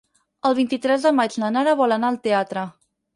El vint-i-tres de maig na Nara vol anar al teatre.